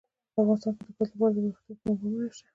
افغانستان کې د ګاز لپاره دپرمختیا پروګرامونه شته.